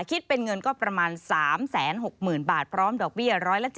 คิดเป็นเงินก็ประมาณ๓๖๐๐๐บาทพร้อมดอกเบี้ย๑๗๐